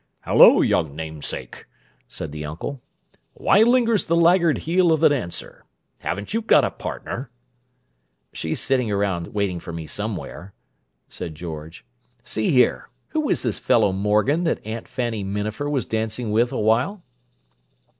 "Hello, young namesake," said the uncle. "Why lingers the laggard heel of the dancer? Haven't you got a partner?" "She's sitting around waiting for me somewhere," said George. "See here: Who is this fellow Morgan that Aunt Fanny Minafer was dancing with a while?"